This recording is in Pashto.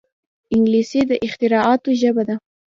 انګلیسي د اختراعاتو ژبه ده